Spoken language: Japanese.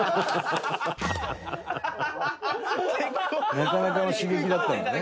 なかなかの刺激だったんだね。